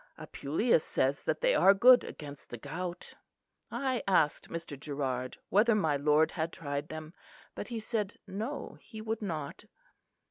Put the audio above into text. Apuleius says that they are good against the gout. I asked Mr. Gerrard whether my lord had tried them; but he said no, he would not."